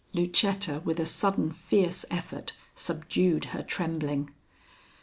Lucetta, with a sudden fierce effort, subdued her trembling.